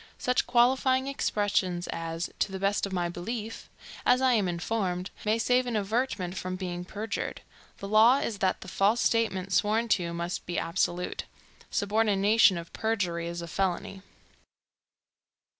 Such qualifying expressions as "to the best of my belief," "as I am informed," may save an averment from being perjured. The law is that the false statement sworn to must be absolute. Subornation of perjury is a felony.